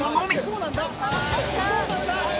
どうなんだ？」